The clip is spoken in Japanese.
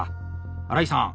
荒井さん